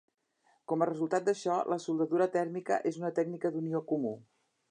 Com a resultat d'això, la soldadura tèrmica és una tècnica d'unió comú.